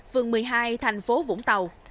phường một mươi hai thành phố vũng tàu